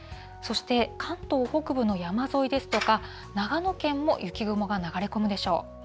そして関東北部の山沿いですとか、長野県も雪雲が流れ込むでしょう。